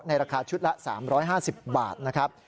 ราคาชุดละ๓๕๐บาทนะครับ